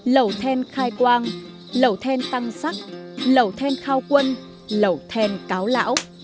lẩu then khai quang lẩu then tăng sắc lẩu then khao quân lẩu then cáo lão